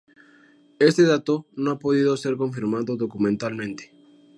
Este dato no ha podido ser confirmado documentalmente.